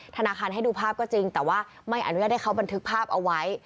ธนาคารให้ดูภาพก็จริงแต่ว่าไม่อนุญาตให้เขาบันทึกภาพเอาไว้